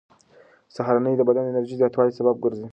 سهارنۍ د بدن د انرژۍ زیاتوالي سبب ګرځي.